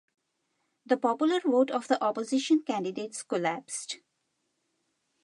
The popular vote of the opposition candidates collapsed.